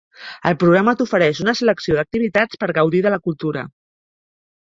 El programa t'ofereix una selecció d'activitats per gaudir de la cultura.